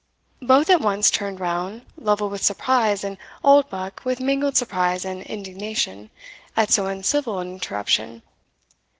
Both at once turned round, Lovel with surprise, and Oldbuck with mingled surprise and indignation, at so uncivil an interruption.